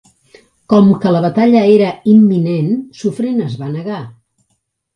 Com que la batalla era imminent, Suffren es va negar.